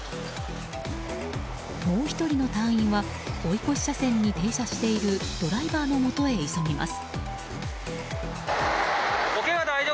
もう１人の隊員は追い越し車線に停車しているドライバーのもとへ急ぎます。